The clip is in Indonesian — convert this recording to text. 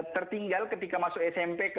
tertinggal ketika masuk smp